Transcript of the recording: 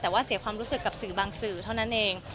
แต่ว่าเสียความรู้สึกกับสื่อบางสื่อเท่านั้นเอง